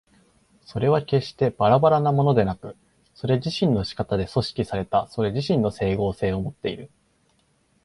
それは決してばらばらなものでなく、それ自身の仕方で組織されたそれ自身の斉合性をもっている。